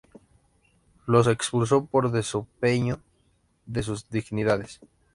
Los expulsó, los desposeyó de sus dignidades.